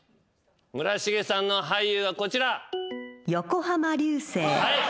村重さんの俳優はこちら。